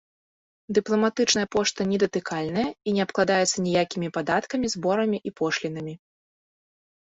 Дыпламатычная пошта недатыкальная і не абкладаецца ніякімі падаткамі, зборамі і пошлінамі.